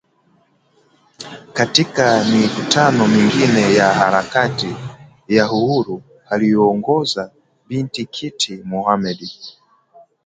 Katika mikutano mingi ya harakati za Uhuru aliyoongoza Bibi Titi Mohammed